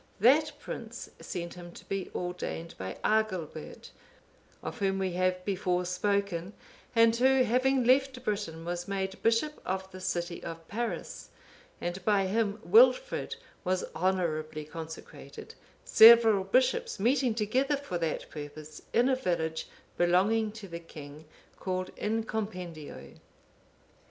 That prince sent him to be ordained by Agilbert,(493) of whom we have before spoken, and who, having left Britain, was made bishop of the city of Paris;(494) and by him Wilfrid was honourably consecrated, several bishops meeting together for that purpose in a village belonging to the king, called In Compendio.